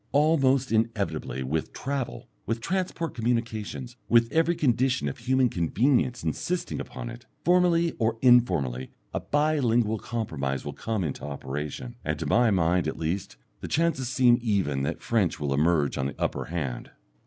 Almost inevitably with travel, with transport communications, with every condition of human convenience insisting upon it, formally or informally a bi lingual compromise will come into operation, and to my mind at least the chances seem even that French will emerge on the upper hand.